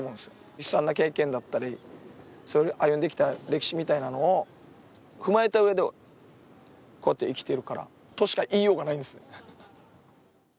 悲惨な経験だったり、歩んできた歴史みたいなものを踏まえたうえで生きてるから、としか言いようがないんです。